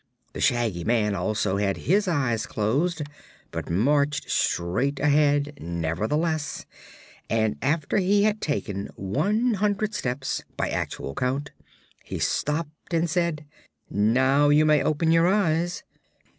The Shaggy Man also had his eyes closed, but marched straight ahead, nevertheless, and after he had taken one hundred steps, by actual count, he stopped and said: "Now you may open your eyes."